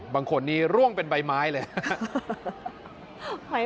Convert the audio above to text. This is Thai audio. บางคนนี้ร่วงเป็นใบไม้เลยครับ